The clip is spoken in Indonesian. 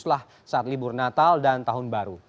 setelah saat libur natal dan tahun baru